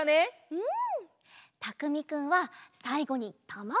うん！